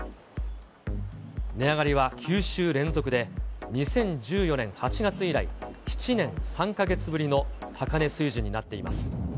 値上がりは９週連続で、２０１４年８月以来、７年３か月ぶりの高値水準になっています。